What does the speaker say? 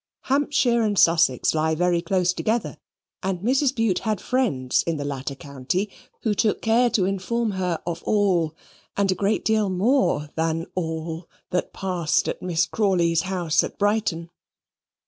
Hampshire and Sussex lie very close together, and Mrs. Bute had friends in the latter county who took care to inform her of all, and a great deal more than all, that passed at Miss Crawley's house at Brighton.